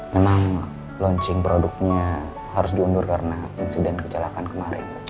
memang launching produknya harus diundur karena insiden kecelakaan kemarin